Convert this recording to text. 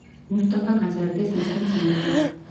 მუსტაფა გაზარდეს მისმა ძმებმა.